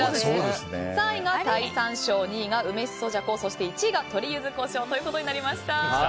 ３位が鯛山椒２位が梅しそじゃこそして１位が鶏ゆず胡椒となりました。